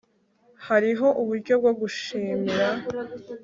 hariho uburyo bwo gushimira